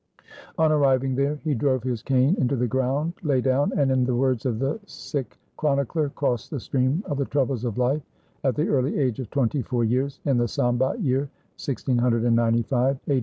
On arriving there he drove his cane into the ground, lay down, and, in the words of the Sikh chronicler, crossed the stream of the troubles of life at the early age of twenty four years, in the Sambat year 1695 (a.